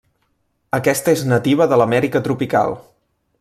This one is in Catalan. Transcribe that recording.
Aquesta és nativa de l'Amèrica tropical.